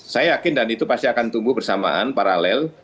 saya yakin dan itu pasti akan tumbuh bersamaan paralel